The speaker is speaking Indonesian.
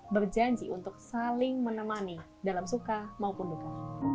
berjanji untuk saling menemani dalam suka maupun duka